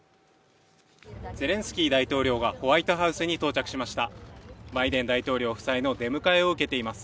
ゼレンスキー大統領がホワイトハウスに到着しました。